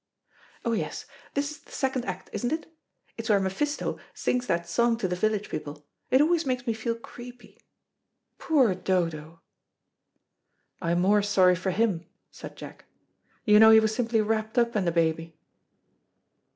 Oh, yes, this is the second act, isn't it? It's where Mephisto sings that song to the village people. It always makes me feel creepy. Poor Dodo!" "I am more sorry for him," said Jack; "you know he was simply wrapped up in the baby."